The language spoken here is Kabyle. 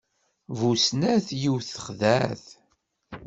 Bu snat, yiwet texḍa-t.